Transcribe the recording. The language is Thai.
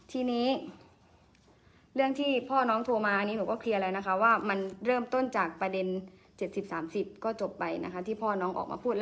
ทีนี้เรื่องที่พ่อน้องโทรมาอันนี้หนูก็เคลียร์แล้วนะคะว่ามันเริ่มต้นจากประเด็น๗๐๓๐ก็จบไปนะคะที่พ่อน้องออกมาพูด